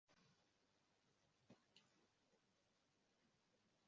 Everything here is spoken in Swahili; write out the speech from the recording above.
Waimbaji wamewasili vyema